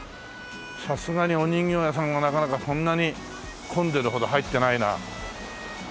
さすがにお人形屋さんはなかなかそんなに混んでるほど入ってないな。